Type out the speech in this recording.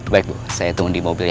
baik bu saya tunggu di mobil ya